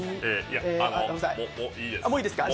もういいです。